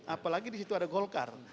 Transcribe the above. apalagi di situ ada golkar